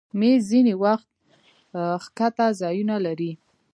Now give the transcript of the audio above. مېز ځینې وخت ښکته ځایونه لري.